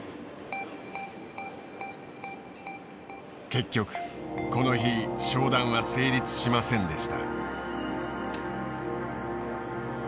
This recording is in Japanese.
結局この日商談は成立しませんでした。